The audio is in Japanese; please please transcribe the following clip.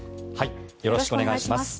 よろしくお願いします。